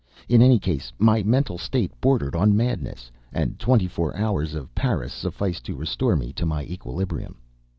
In any case, my mental state bordered on madness, and twenty four hours of Paris sufficed to restore me to my equilibrium.